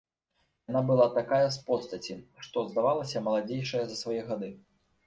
Яна была такая з постаці, што здавалася маладзейшая за свае гады.